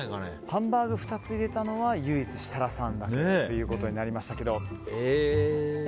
ハンバーグ２つ入れたのは唯一、設楽さんだけとなりました。